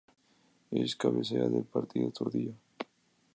Es cabecera del partido de Tordillo.